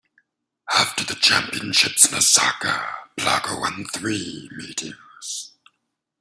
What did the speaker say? After the championships in Osaka, Plawgo won three meetings.